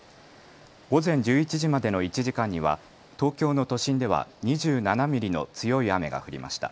午前１１時までの１時間には東京の都心では２７ミリの強い雨が降りました。